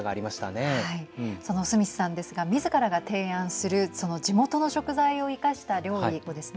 そのスミスさんですがみずからが提案する地元の食材を生かした料理をですね